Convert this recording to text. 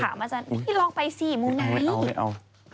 ถามอาจารย์พี่ลองไปสิมุมไหนอีกไม่เอาไม่เอา